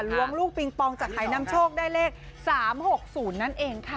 ล้วงลูกปิงปองจากหายนำโชคได้เลข๓๖๐นั่นเองค่ะ